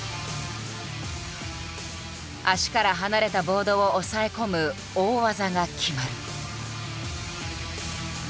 足から離れたボードを押さえ込む大技が決まる。